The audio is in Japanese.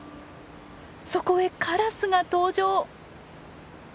そこへカラスが登場。